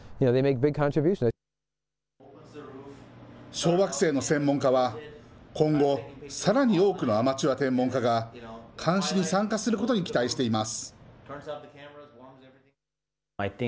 小惑星の専門家は、今後、さらに多くのアマチュア天文家が監視に参加することに期待しています。